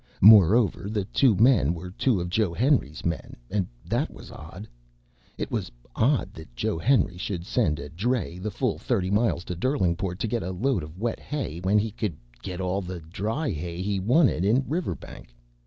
Moreover, the two men were two of Joe Henry's men, and that was odd. It was odd that Joe Henry should send a dray the full thirty miles to Derlingport to get a load of wet hay, when he could get all the dry hay he wanted in Riverbank.